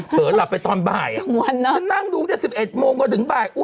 หลับไปตอนบ่ายอ่ะฉันนั่งดูตั้งแต่๑๑โมงกว่าถึงบ่าย